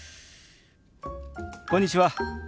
こんにちは。